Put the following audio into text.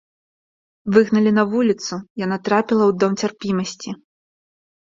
Выгналі на вуліцу, яна трапіла ў дом цярпімасці.